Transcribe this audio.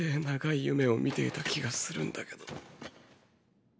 長い夢を見ていた気がするんだけど。